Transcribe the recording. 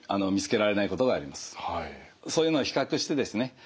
そういうのを比較してですね